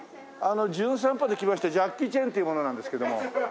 『じゅん散歩』で来ましたジャッキー・チェンという者なんですけども。